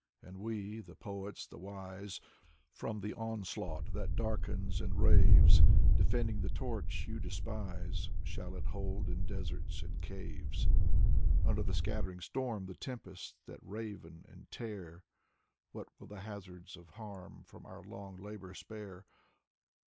And we, the poets, the wise, From the onslaught that darkens and raves, Defending the torch you despise. Shall hold it in deserts and caves. Valery Brusov 91 Under the scattering storm, The tempests that raven and tear, What will the hazards of harm From our long labor spare